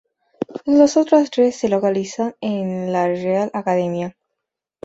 Los otros tres se localizan en la Real Academia.